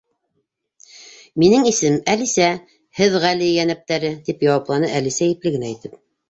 —Минең исемем Әлисә, һеҙ Ғали Йәнәптәре, —тип яуапланы Әлисә ипле генә итеп.